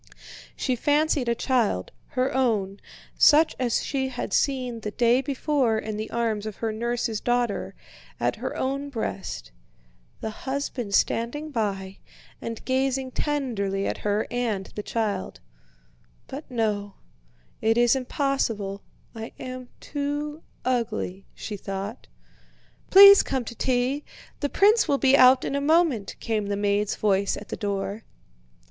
She fancied a child, her own—such as she had seen the day before in the arms of her nurse's daughter—at her own breast, the husband standing by and gazing tenderly at her and the child. "But no, it is impossible, I am too ugly," she thought. "Please come to tea. The prince will be out in a moment," came the maid's voice at the door.